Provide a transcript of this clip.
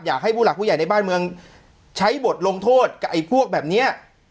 อยากให้ผู้หลักผู้ใหญ่ในบ้านเมืองใช้บทลงโทษกับไอ้พวกแบบเนี้ย